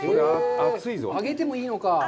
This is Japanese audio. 揚げてもいいのか。